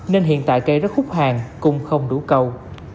nên hiện tại cây rất khúc hàng cũng không đủ cầu